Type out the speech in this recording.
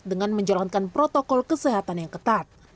dengan menjalankan protokol kesehatan yang ketat